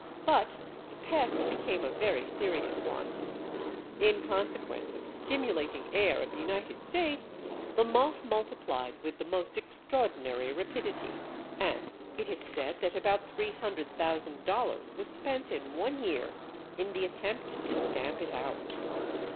But the pest became a very serious one. In consequence of the stimulating air of the United States the moth multiplied with the most extraordinary rapidity, and it is said that about 300,000 dollars was spent in one year in the attempt to stamp it out.